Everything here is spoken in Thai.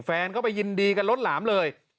แฟนเข้าไปยินดีกันรดหลามเลย